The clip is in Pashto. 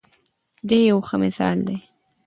دی یو ښه مثال دی.